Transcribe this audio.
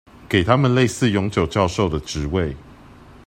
給他們類似永久教授的職位